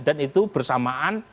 dan itu bersamaan